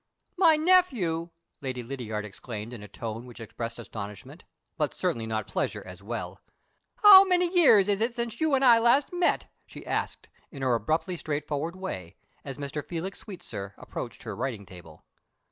"MY nephew!" Lady Lydiard exclaimed in a tone which expressed astonishment, but certainly not pleasure as well. "How many years is it since you and I last met?" she asked, in her abruptly straightforward way, as Mr. Felix Sweetsir approached her writing table.